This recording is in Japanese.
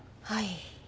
はい。